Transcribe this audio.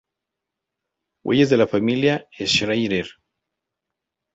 Huellas de la Familia Schaerer.